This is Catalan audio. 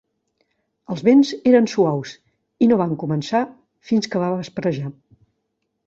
Els vents eren suaus i no van començar fins que va vesprejar.